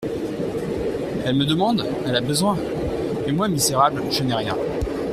Elle me demande, elle a besoin ! et moi, misérable, je n'ai rien.